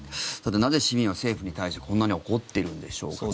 なぜ市民は政府に対してこんなに怒っているんでしょうか。